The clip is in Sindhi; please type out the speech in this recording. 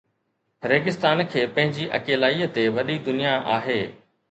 ريگستان کي پنهنجي اڪيلائيءَ تي وڏي دنيا آهي